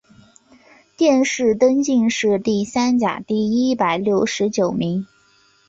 殿试登进士第三甲第一百六十九名。